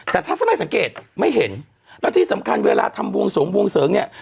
แต่ถ้าไม่สังเกตไม่เห็นแล้วที่สำคัญเวลาทำบวงสวงบวงเสริงเนี่ย